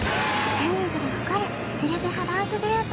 ジャニーズが誇る実力派ダンスグループ